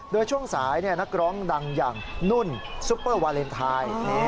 โดยช่วงสายนักร้องดังอย่างนุ่นซุปเปอร์วาเลนไทย